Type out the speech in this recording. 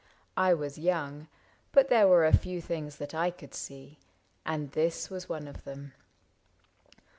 I was young, But there were a few things that I could see. And this was one of them.